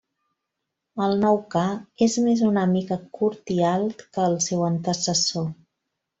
El nou Ca és més una mica curt i alt que el seu antecessor.